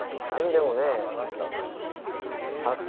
何でもねえよ